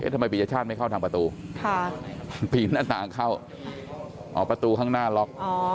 ปียชาติไม่เข้าทางประตูปีนหน้าต่างเข้าอ๋อประตูข้างหน้าล็อก